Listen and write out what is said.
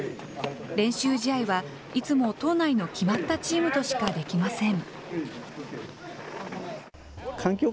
練習試合は、いつも島内の決まったチームとしかできません。